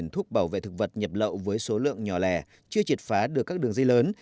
thuốc bảo vệ thực vật nhập lậu với số lượng nhỏ lẻ chưa triệt phá được các đường dây lớn